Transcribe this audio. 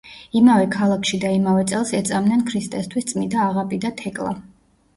იმავე ქალაქში და იმავე წელს ეწამნენ ქრისტესთვის წმიდა აღაპი და თეკლა.